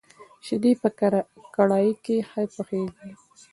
شيدې په کړايي کي ښه پخېږي.